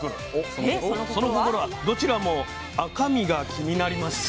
その心はどちらも「赤身」が気になります。